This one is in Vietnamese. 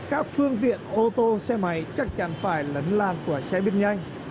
các phương tiện ô tô xe máy chắc chắn phải lấn lan của xe buýt nhanh